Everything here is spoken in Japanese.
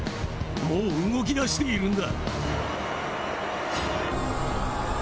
もう動きだしているんだ！